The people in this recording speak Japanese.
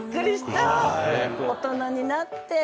大人になって。